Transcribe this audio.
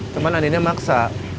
cuman andinnya maksa